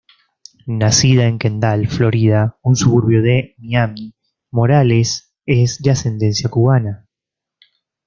Nacida en Kendall, Florida, un suburbio de Miami, Morales es de ascendencia cubana.